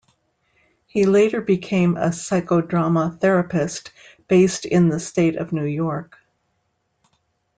He later became a psychodrama therapist based in the state of New York.